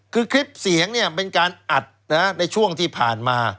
คือคลิปเสียงเนี่ยเป็นการอัดในช่วงที่ผ่านมา